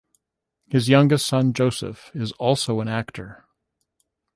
His youngest son, Joseph, is also an actor.